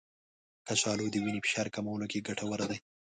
کچالو د وینې فشار کمولو کې ګټور دی.